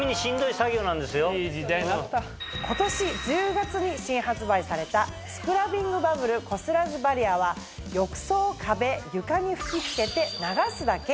今年１０月に新発売された「スクラビングバブルこすらずバリア」は浴槽壁床に吹き付けて流すだけ。